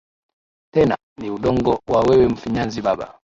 Tena ni udongo na wewe mfinyanzi Baba